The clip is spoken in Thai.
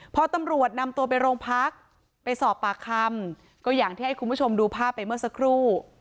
พอตำรวจนำตัวไปโรงพักไปสอบปากคำก็อย่างที่ให้คุณผู้ชมดูภาพไปเมื่อสักครู่